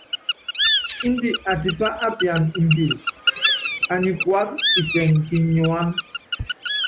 Índɛ atipá apiana imbíli, anyi kuáka kisɛŋɛ kínyuána.